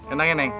enak ya neng